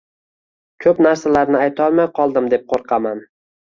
Koʻp narsalarni aytolmay qoldim deb qoʻrqaman